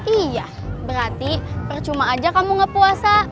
iya berarti percuma aja kamu gak puasa